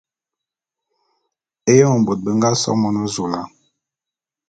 Éyoň bôt be nga so Monezula.